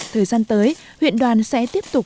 thời gian tới huyện đoàn sẽ tiếp tục